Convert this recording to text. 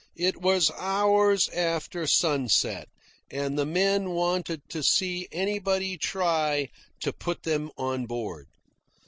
It was hours after sunset, and the men wanted to see anybody try to put them on board.